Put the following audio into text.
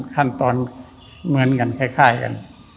ขั้นตอนเหมือนกันคล้ายกัน